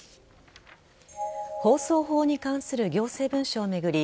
放送法に関する行政文書を巡り